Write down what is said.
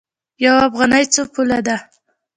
یوه افغانۍ څو پوله ده؟